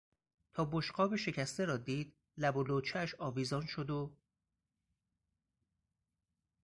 تا بشقاب شکسته را دید لب و لوچهاش آویزان شد و...